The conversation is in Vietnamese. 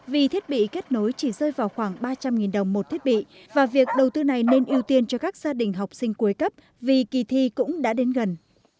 vì thiết bị kết nối chỉ rơi vào khoảng ba trăm linh đồng một thiết bị và việc đầu tư này nên ưu tiên cho các gia đình học sinh cuối cấp vì kỳ thi cũng đã đến gần